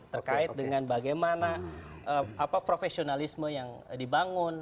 terkait dengan bagaimana profesionalisme yang dibangun